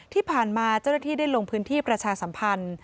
ที่ผ่านมาเจ้าหน้าที่ได้ลงพื้นที่ประชาสัมพันธ์